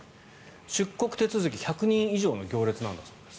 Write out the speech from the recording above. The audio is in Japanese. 出国手続き１００人以上の行列なんだそうです。